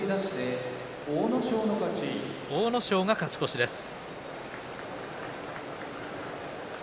阿武咲が勝ち越しです。